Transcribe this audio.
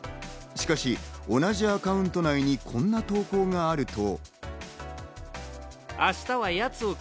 しかし、同じアカウント内にこんな投稿があると。